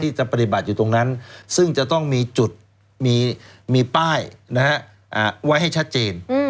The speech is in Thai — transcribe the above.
จะปฏิบัติอยู่ตรงนั้นซึ่งจะต้องมีจุดมีป้ายไว้ให้ชัดเจน